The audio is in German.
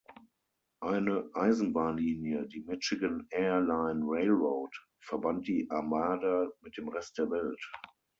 Eine Eisenbahnlinie, die Michigan Air-Line Railroad, verband die Armada mit dem Rest der Welt.